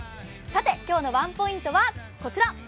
今日のワンポイントはこちら。